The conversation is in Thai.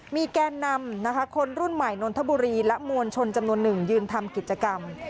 มีแกนนำนะคะคนรุ่นใหม่นนทบุรีและมวลชนจำนวนหนึ่งยืนทำกิจกรรม